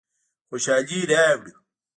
خوشحالي راوړو.